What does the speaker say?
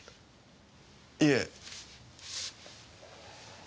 いえ。